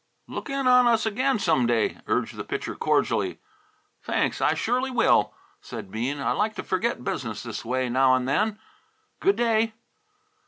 "Look in on us again some day," urged the Pitcher cordially. "Thanks, I surely will," said Bean. "I like to forget business this way, now and then. Good day!"